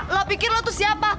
lo pikir lo tuh siapa